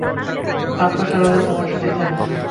ভাগ্য সর্বদা তোমার সাথেই থাকবে।